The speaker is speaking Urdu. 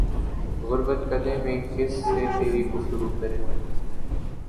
غربت کدے میں کس سے تری گفتگو کریں